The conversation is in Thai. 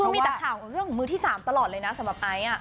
คือมีแต่ข่าวเรื่องของมือที่๓ตลอดเลยนะสำหรับไอซ์